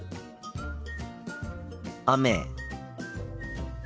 雨。